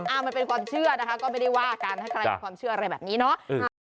มันเป็นความเชื่อนะคะก็ไม่ได้ว่ากันถ้าใครมีความเชื่ออะไรแบบนี้เนาะ